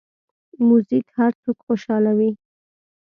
موزیک هر څوک خوشحالوي.